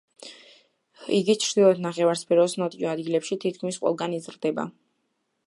იგი ჩრდილოეთ ნახევარსფეროს ნოტიო ადგილებში თითქმის ყველგან იზრდება.